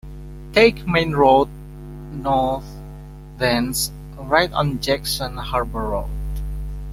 Take Main Road north, thence right on Jackson Harbor Road.